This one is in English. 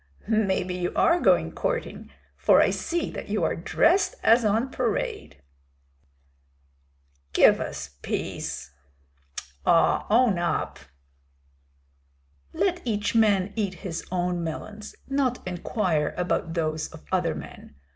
"Maybe you are going courting, for I see that you are dressed as on parade." "Give us peace!" "Oh, own up!" "Let each man eat his own melons, not inquire about those of other men.